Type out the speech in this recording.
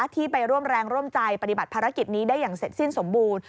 ที่ไปร่วมแรงร่วมใจปฏิบัติภารกิจนี้ได้อย่างเสร็จสิ้นสมบูรณ์